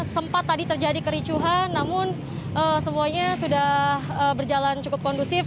sempat tadi terjadi kericuhan namun semuanya sudah berjalan cukup kondusif